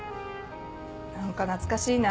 何か懐かしいな。